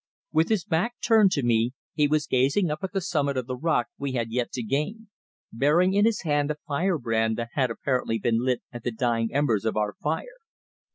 With his back turned to me he was gazing up at the summit of the rock we had yet to gain, bearing in his hand a fire brand that had apparently been lit at the dying embers of our fire.